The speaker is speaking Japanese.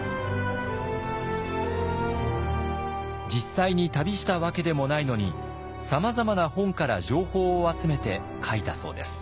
実際に旅したわけでもないのにさまざまな本から情報を集めて書いたそうです。